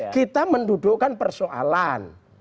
kita mendudukkan persoalan